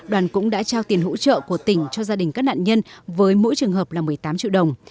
đoàn cũng đã trao tiền hỗ trợ của tỉnh cho gia đình các nạn nhân với mỗi trường hợp là một mươi tám triệu đồng